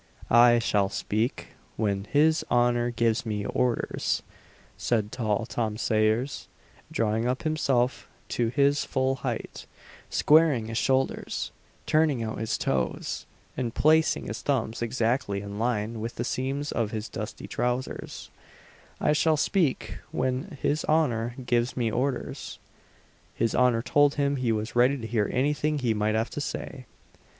"I shall speak when his honour gives me orders," said tall Tom Sayers drawing up himself to his full height, squaring his shoulders, turning out his toes, and placing his thumbs exactly in line with the seams of his dusty trousers "I shall speak when his honour gives me orders." His honour told him he was ready to hear anything he might have to say.